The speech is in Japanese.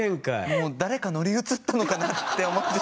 もう誰か乗り移ったのかなって思って。